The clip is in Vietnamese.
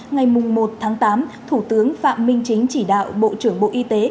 ngày một tháng tám thủ tướng phạm minh chính chỉ đạo bộ trưởng bộ y tế